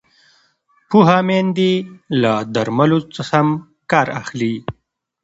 پوهه میندې له درملو سم کار اخلي۔